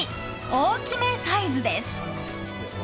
大きめサイズです。